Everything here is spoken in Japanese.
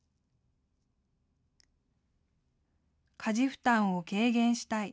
家事負担を軽減したい。